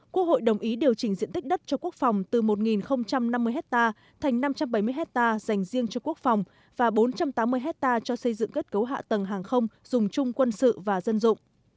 quốc hội đồng ý điều chỉnh diện tích đất cho quốc phòng từ một năm mươi hectare thành năm trăm bảy mươi hectare dành riêng cho quốc phòng và bốn trăm tám mươi hectare cho xây dựng kết cấu hạ tầng hàng không dùng chung quân sự và dân dụng